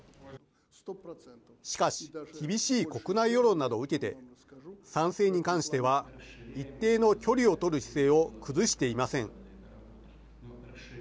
しかし厳しい国内世論などを受けて参戦に関しては一定の距離を取る姿勢を崩していません。